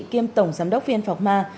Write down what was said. kiêm tổng giám đốc vn phòng ma